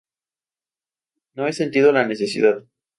No he sentido la necesidad.